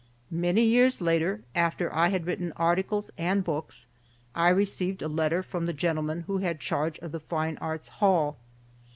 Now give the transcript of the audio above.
Many years later, after I had written articles and books, I received a letter from the gentleman who had charge of the Fine Arts Hall.